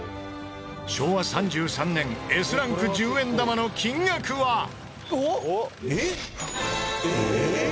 昭和３３年Ｓランク１０円玉の金額は？えっ？ええ！？